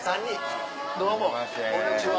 こんにちは